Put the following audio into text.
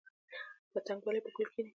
پتنګ ولې په ګل کیني؟